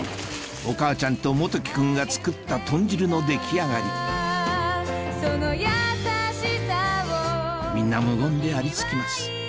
お母ちゃんと元基君が作った豚汁の出来上がりみんな無言でありつきます